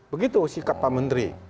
begitu sikap pak menteri